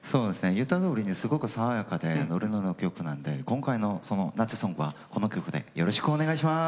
言ったとおりすごく爽やかでノリノリの曲なんで今回の夏ソングはこの曲でよろしくお願いします。